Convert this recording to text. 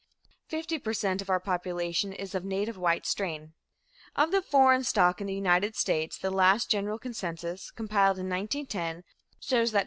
Fifty per cent of our population is of the native white strain. Of the foreign stock in the United States, the last general census, compiled in 1910, shows that 25.